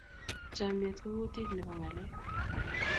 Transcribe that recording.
chamiet ko kutit nebo ngalek